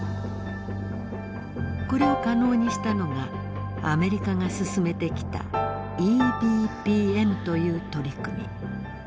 これを可能にしたのがアメリカが進めてきたＥＢＰＭという取り組み。